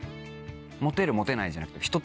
モテるモテないじゃなくて。